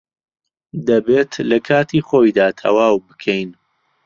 دەبێت لە کاتی خۆیدا تەواو بکەین.